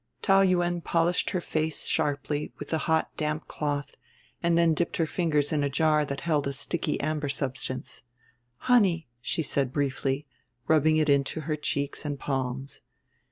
Taou Yuen polished her face sharply with a hot damp cloth and then dipped her fingers in a jar that held a sticky amber substance. "Honey," she said briefly, rubbing it into her cheeks and palms.